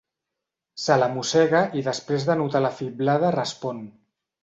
Se la mossega i després de notar la fiblada respon.